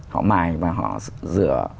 họ mài và họ rửa